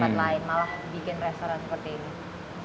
malah bikin restoran seperti ini